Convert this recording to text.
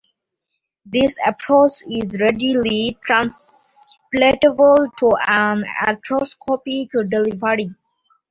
This approach is readily translatable to an arthroscopic delivery.